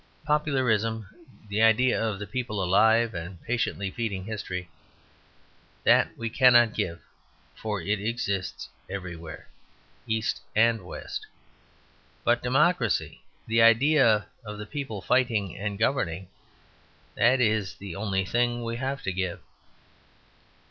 Popularism, the idea of the people alive and patiently feeding history, that we cannot give; for it exists everywhere, East and West. But democracy, the idea of the people fighting and governing that is the only thing we have to give.